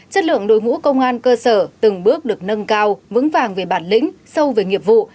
chất lượng đối ngũ công an cơ sở từng bước được nâng cao vững vàng về bản lĩnh sâu về nghiệp vụ